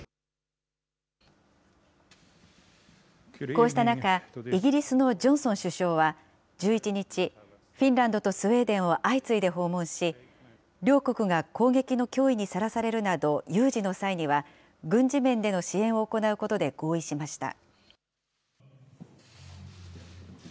こうした中、イギリスのジョンソン首相は、１１日、フィンランドとスウェーデンを相次いで訪問し、両国が攻撃の脅威にさらされるなど、有事の際には、軍事面での支援を行うことで合意しました。